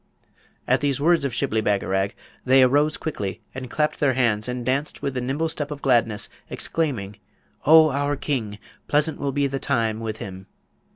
At these words of Shibli Bagarag they arose quickly and clapped their hands, and danced with the nimble step of gladness, exclaiming, 'O our King! pleasant will be the time with him!'